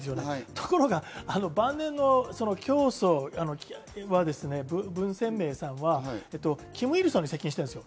ところが晩年の教祖文鮮明さんはキム・イルソンに接近してるんですよ